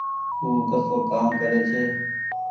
او ڪسو ڪآم ڪرري ڇي